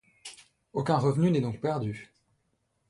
Aucun revenu n’est donc perdu.